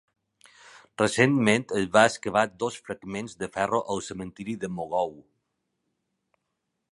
Recentment es van excavar dos fragments de ferro al cementiri de Mogou.